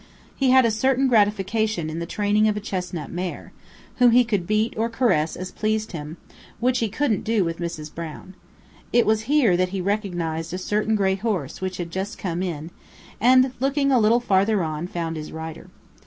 He had a certain gratification in the training of a chestnut mare, whom he could beat or caress as pleased him, which he couldn't do with Mrs. Brown. It was here that he recognized a certain gray horse which had just come in, and, looking a little farther on, found his rider.